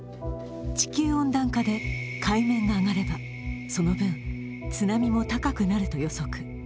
地球温暖化で海面が上がれば、その分、津波も高くなると予測。